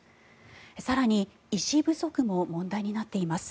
更に、医師不足も問題になっています。